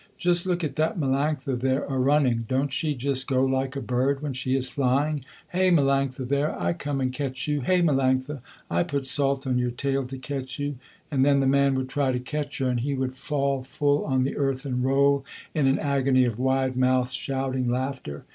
"Just look at that Melanctha there a running. Don't she just go like a bird when she is flying. Hey Melanctha there, I come and catch you, hey Melanctha, I put salt on your tail to catch you," and then the man would try to catch her, and he would fall full on the earth and roll in an agony of wide mouthed shouting laughter.